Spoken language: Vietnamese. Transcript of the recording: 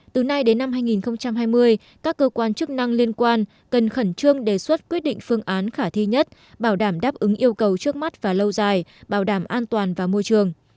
từ nay đến năm hai nghìn hai mươi các cơ quan chức năng liên quan cần khẩn trương đề xuất quyết định phương án khả thi nhất bảo đảm đáp ứng yêu cầu trước mắt và lâu dài bảo đảm an toàn và môi trường